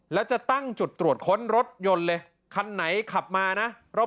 แล้วก็เมืองเชียงของครับ